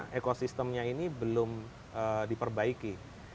karena ekosistemnya ini belum diperbaiki